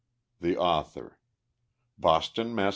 THE AUTHOR. Boston, Mass.